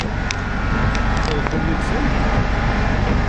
Ad ddun yid-sent?